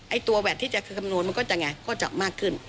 ไอตัวแวตที่จะคำโนมันก็จะใกล้มากขึ้น